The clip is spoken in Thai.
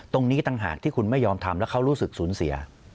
ตรงนี้ต่างหากที่คุณไม่ยอมทำแล้วเขารู้สึกสูญเสีย